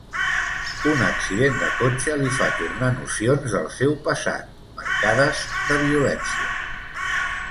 Un accident de cotxe li fa tornar nocions del seu passat, marcades de violència.